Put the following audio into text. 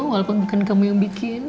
walaupun bukan kamu yang bikin